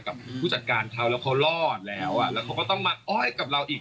กับผู้จัดการเขาแล้วเขารอดแล้วอ่ะแล้วเขาก็ต้องมาอ้อยกับเราอีก